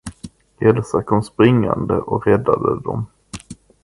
Elsa kom springande och räddade dem.